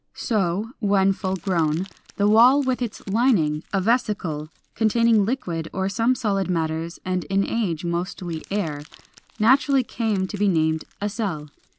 So, when full grown, the wall with its lining a vesicle, containing liquid or some solid matters and in age mostly air naturally came to be named a Cell.